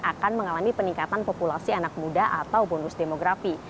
akan mengalami peningkatan populasi anak muda atau bonus demografi